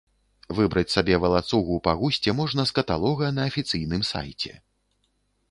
Выбраць сабе валацугу па гусце можна з каталога на афіцыйным сайце.